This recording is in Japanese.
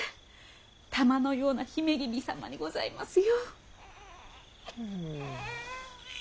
玉のような姫君様にございますよ。